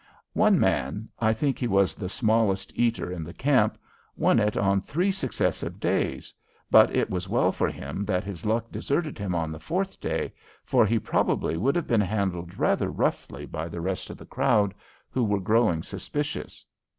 One man I think he was the smallest eater in the camp won it on three successive days, but it was well for him that his luck deserted him on the fourth day, for he probably would have been handled rather roughly by the rest of the crowd, who were growing suspicious.